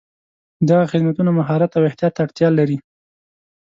دغه خدمتونه مهارت او احتیاط ته اړتیا لري.